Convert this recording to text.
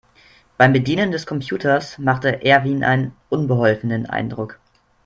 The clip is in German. Beim Bedienen des Computers machte Erwin einen unbeholfenen Eindruck.